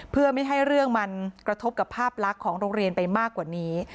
เพื่อไม่ให้เรื่องมันกระทบกับภาพลักษณ์ของโรงเรียนไปมากกว่านี้